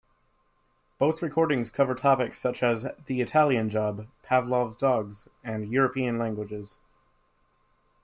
Both recordings cover topics such as "The Italian Job", Pavlov's dogs and European languages.